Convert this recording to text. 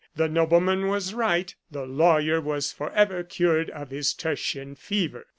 The nobleman was right, the lawyer was forever cured of his tertian fever.